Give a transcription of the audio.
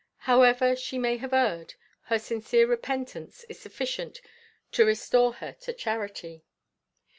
However she may have erred, her sincere repentance is sufficient to restore her to charity.